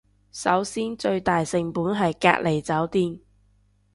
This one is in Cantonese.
首先最大成本係隔離酒店